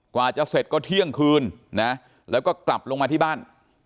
กว่าจะเสร็จก็เที่ยงคืนนะแล้วก็กลับลงมาที่บ้าน